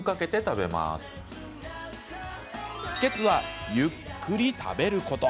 秘けつは、ゆっくり食べること。